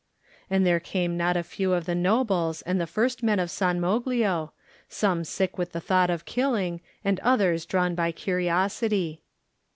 And there came not a few of the nobles and the first men of San Moglio, some sick with the thought of killing, and others drawn by curiosity.